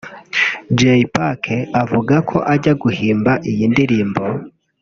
Jay Pac avuga ko ajya guhimba iyi ndirimbo